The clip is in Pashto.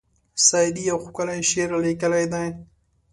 سعدي یو ښکلی شعر لیکلی دی.